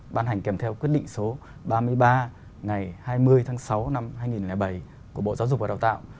ban hành kèm theo quyết định số ba mươi ba ngày hai mươi tháng sáu năm hai nghìn bảy của bộ giáo dục và đào tạo